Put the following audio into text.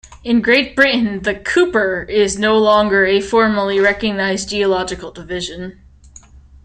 In Great Britain the 'Keuper' is no longer a formally recognised geological division.